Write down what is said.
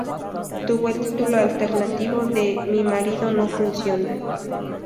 Tuvo el título alternativo de "Mi marido no funciona".